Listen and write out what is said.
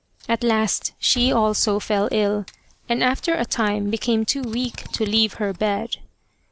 At last she also fell ill, and after a time became too weak to leave her bed.